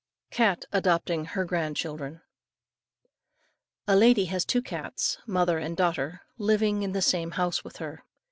CAT ADOPTING HER GRAND CHILDREN. A lady had two cats, mother and daughter, living in the same house with her.